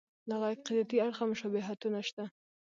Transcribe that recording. له عقیدتي اړخه مشابهتونه شته.